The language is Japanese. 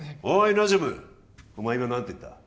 ナジュムお前今何て言った？